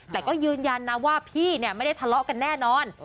แต่ก็ยืนยันนะว่าพี่ไม่ได้ทะเลาะกันแน่นอน